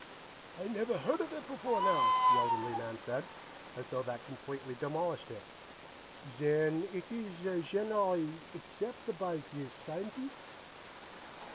"I never heard of it before now," the elderly man said, as though that completely demolished it. "Zen eet ees zhenerally accept' by zee scienteest'?"